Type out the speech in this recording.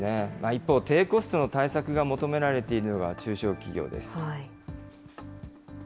一方、低コストの対策が求められているのが中小企業です。